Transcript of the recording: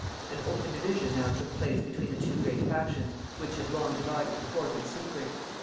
An open division now took place between the two great factions which had long divided the court in secret.